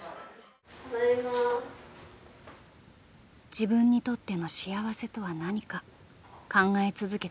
自分にとっての幸せとは何か考え続けてきた藤彌さん。